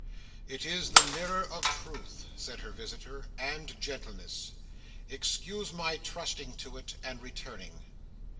"It is the mirror of truth," said her visitor, "and gentleness. Excuse my trusting to it, and returning."